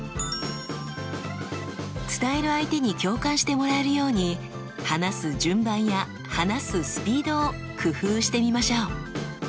伝える相手に共感してもらえるように話す順番や話すスピードを工夫してみましょう。